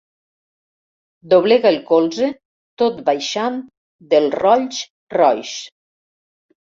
Doblega el colze tot baixant del Rolls Royce.